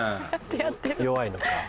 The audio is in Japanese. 弱いのか。